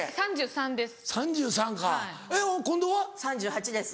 ３８歳です。